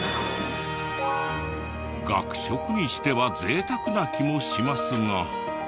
学食にしては贅沢な気もしますが。